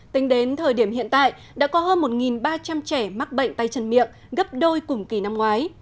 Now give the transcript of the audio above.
tính đến thời điểm hiện tại đã có hơn một ba trăm linh trẻ mắc bệnh tay chân miệng gấp đôi cùng kỳ năm ngoái